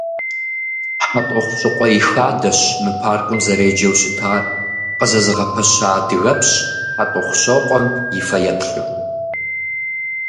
«ХьэтӀохъущыкъуей хадэщ» мы паркым зэреджэу щытар, къызэзыгъэпэща адыгэпщ ХьэтӀохъущокъуэм и фэеплъу.